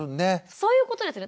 そういうことですね。